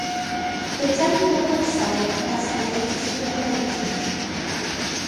The temple website has the latest information.